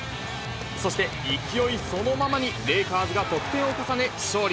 そして勢いそのままにレイカーズが得点を重ね勝利。